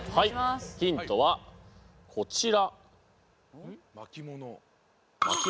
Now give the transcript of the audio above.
ヒントはこちら。